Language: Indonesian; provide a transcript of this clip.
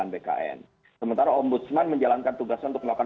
kpk diperintahkan untuk melakukan